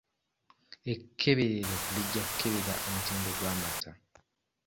Ekkeberero lijja kukebera omutindo gw'amata.